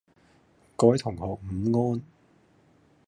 各位同學午安